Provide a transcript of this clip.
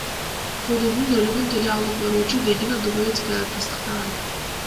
Куудулдун өлүмүн теле алып баруучу Регина Дубовицкая тастыктаган.